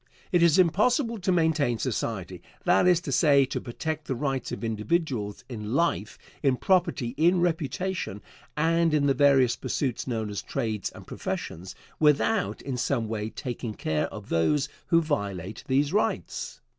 It is impossible to maintain society that is to say, to protect the rights of individuals in life, in property, in reputation, and in the various pursuits known as trades and professions, without in some way taking care of those who violate these rights.